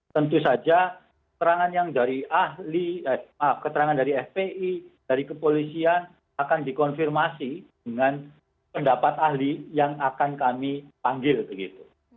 tentu saja keterangan dari fpi dari kepolisian akan dikonfirmasi dengan pendapat ahli yang akan kami panggil begitu